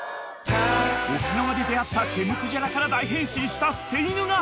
［沖縄で出合った毛むくじゃらから大変身した捨て犬が］